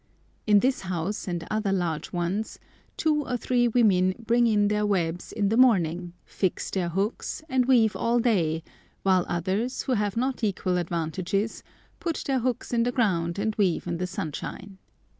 In this house and other large ones two or three women bring in their webs in the morning, fix their hooks, and weave all day, while others, who have not equal advantages, put their hooks in the ground and weave in the sunshine.